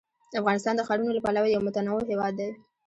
افغانستان د ښارونو له پلوه یو متنوع هېواد دی.